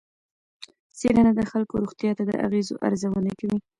څېړنه د خلکو روغتیا ته د اغېزو ارزونه کوي.